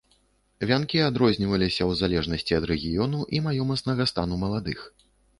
Вянкі адрозніваліся ў залежнасці ад рэгіёну і маёмаснага стану маладых.